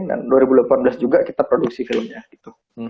dan dua ribu delapan belas juga kita produksi filmnya gitu